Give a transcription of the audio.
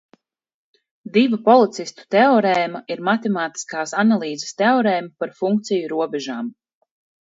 Divu policistu teorēma ir matemātiskās analīzes teorēma par funkciju robežām.